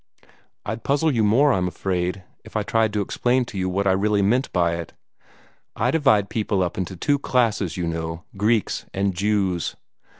"I'd puzzle you more, I'm afraid, if I tried to explain to you what I really meant by it. I divide people up into two classes, you know Greeks and Jews.